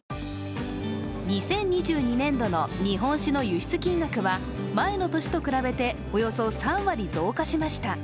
２０２２年度の日本酒の輸出金額は前の年と比べておよそ３割増加しました。